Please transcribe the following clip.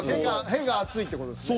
屁が熱いって事ですね。